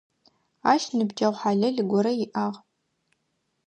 Ащ ныбджэгъу хьалэл горэ иӏагъ.